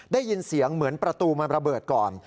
ได้ยินเสียงเหมือนประตูมันระเบิดก่อน